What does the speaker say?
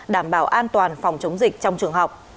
đảm bảo an toàn phòng chống dịch trong trường học